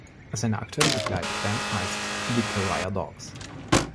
Seine aktuelle Begleitband heißt „The Pariah Dogs“.